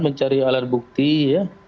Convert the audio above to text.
mencari alat bukti ya